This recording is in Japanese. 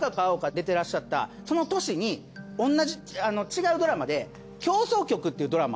出てらっしゃったその年に違うドラマで『協奏曲』っていうドラマ